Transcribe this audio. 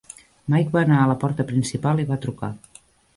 Mike va anar a la porta principal i va trucar.